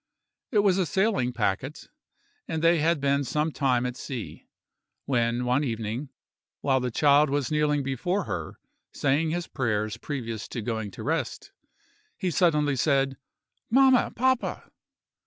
It was a sailing packet; and they had been some time at sea, when one evening, while the child was kneeling before her saying his prayers previous to going to rest, he suddenly said: "Mamma, papa!"